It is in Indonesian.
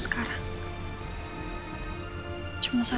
cuma sekarang gue gak bisa terendah sekarang